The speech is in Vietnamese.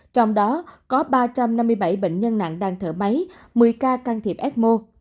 trong đó có ba trăm năm mươi bảy bệnh nhân nặng đang thở máy một mươi ca can thiệp ecmo